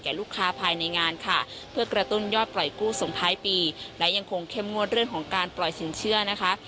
ลูกค้าภายในงานค่ะเพื่อกระตุ้นยอดปล่อยกู้ส่งท้ายปีและยังคงเข้มงวดเรื่องของการปล่อยสินเชื่อนะคะ